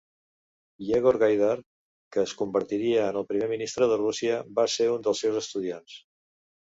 Yegor Gaidar, que es convertiria en primer ministre de Rússia, va ser un dels seus estudiants.